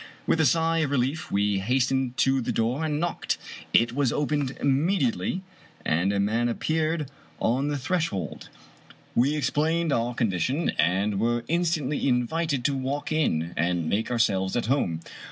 With a sigh of relief we hastened to the door and knocked. It was opened immediately, and a man appeared on the SO Fitzjames O'Brien threshold. We explained our condition, and were in stantly invited to walk in and make ourselves at home.